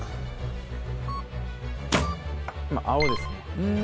青ですね。